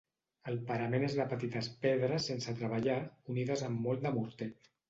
El parament és de petites pedres sense treballar unides amb molt de morter.